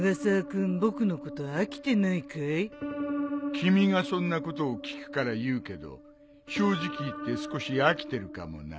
君がそんなことを聞くから言うけど正直言って少し飽きてるかもな。